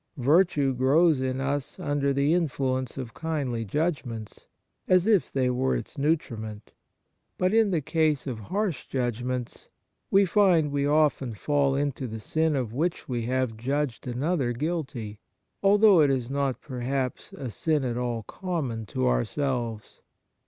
\^irtue grows in us under the influence of kindly judgments, as if they were its nutriment. But in the case of harsh judgments we find we often fall into the sin of which we have judged another guilty, although it is not perhaps a sin at all common to ourselves.